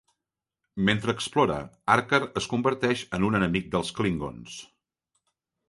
Mentre explora, Archer es converteix en un enemic dels klingons.